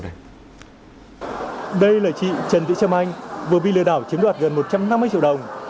đây là chị trần thị trâm anh vừa bị lừa đảo chiếm đoạt gần một trăm năm mươi triệu đồng